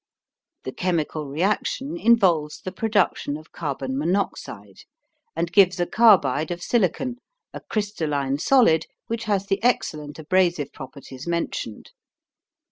The chemical reaction involves the production of carbon monoxide, and gives a carbide of silicon, a crystalline solid which has the excellent abrasive properties mentioned.